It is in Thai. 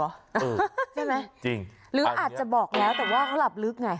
ใช่ไหมจริงหรืออาจจะบอกแล้วแต่ว่าเขาหลับลึกไง